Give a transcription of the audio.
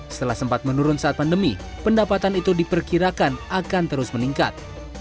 setelah sempat menurun saat pandemi pendapatan itu diperkirakan akan terus meningkat